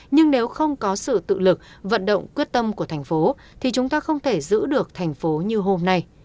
nhưng nếu không có sự tự lực vận động quyết tâm của thành phố thì chúng ta không thể giữ được thành phố như hôm nay